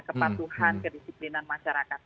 kepatuhan kedisiplinan masyarakat